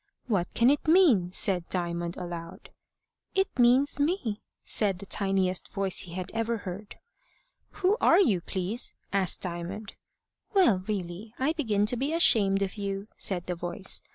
"What can it mean?" said Diamond, aloud. "It means me," said the tiniest voice he had ever heard. "Who are you, please?" asked Diamond. "Well, really, I begin to be ashamed of you," said the voice.